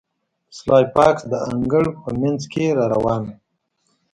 سلای فاکس د انګړ په مینځ کې را روان و